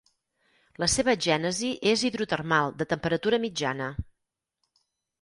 La seva gènesi és hidrotermal de temperatura mitjana.